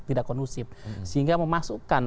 tidak kondusif sehingga memasukkan